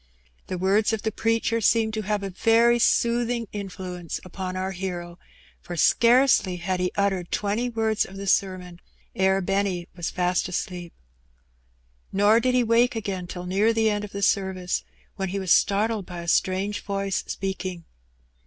The words of the preacher seemed to • have a very soothing influence upon our hero, for scarcely had he uttered twenty words of the sermon ere Benny was fast asleep. Nor did he wake again till near the end of the service, when he was startled by a strange voice speaking.